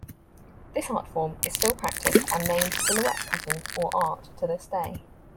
This art-form is still practiced and named silhouette cutting, or art, to this day.